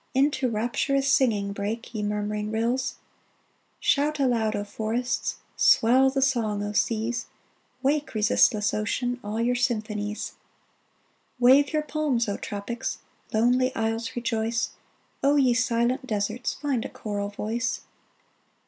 Into rapturous singing Break, ye murmuring rills ! Shout aloud, O forests ! Swell the song, O seas ! Wake, resistless ocean, All your symphonies ! 409 410 DAYBREAK Wave your palms, O tropics 1 Lonely isles, rejoice ! O ye silent deserts, Find a choral voice